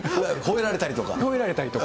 ほえられたりとか？